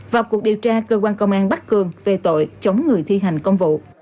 vào cuộc điều tra cơ quan công an bắc cường về tội chống người thi hành công vụ